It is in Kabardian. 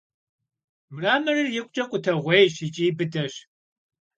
Mramorır yikhuç'e khuteğuêyş yiç'i bıdeş.